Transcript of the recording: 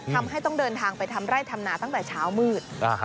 ทำให้ต้องเดินทางไปทำไร่ทำนาตั้งแต่เช้ามืด